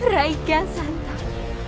rai kian santan